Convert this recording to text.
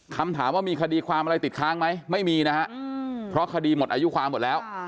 คำถามว่ามีคดีความอะไรติดค้างไหมไม่มีนะฮะเพราะคดีหมดอายุความหมดแล้ว